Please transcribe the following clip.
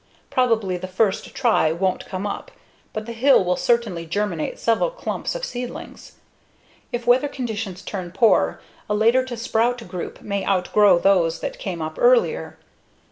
Probably the first try won't come up, but the hill will certainly germinate several clumps of seedlings. If weather conditions turn poor, a later to sprout group may outgrow those that came up earlier.